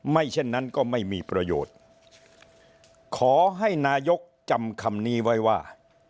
เช่นนั้นก็ไม่มีประโยชน์ขอให้นายกจำคำนี้ไว้ว่า